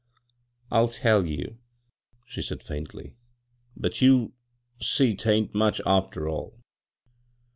" I'll tell you," she said faindy ;" but you'll see 'tain't much, after all.